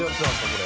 これ。